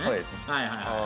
はいはいはい。